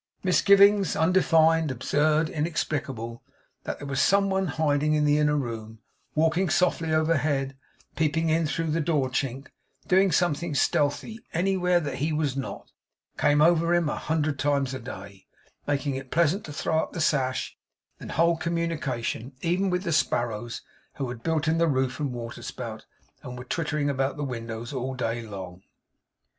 Misgivings, undefined, absurd, inexplicable, that there was some one hiding in the inner room walking softly overhead, peeping in through the door chink, doing something stealthy, anywhere where he was not came over him a hundred times a day, making it pleasant to throw up the sash, and hold communication even with the sparrows who had built in the roof and water spout, and were twittering about the windows all day long.